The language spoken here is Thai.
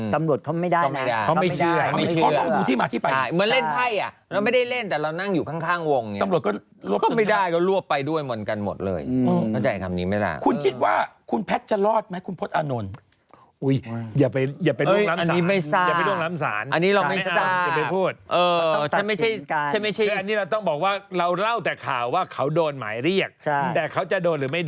ตำรวจเขาไม่ได้นะเขาไม่เชื่อ